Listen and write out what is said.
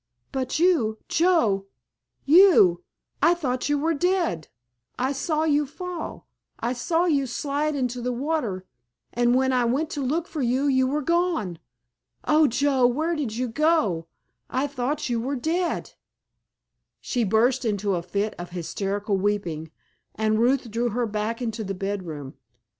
"But you, Joe—you—I thought you were dead! I saw you fall—I saw you slide into the water—and when I went to look for you you were gone. Oh, Joe, where did you go? I thought you were dead——" She burst into a fit of hysterical weeping, and Ruth drew her back into the bedroom.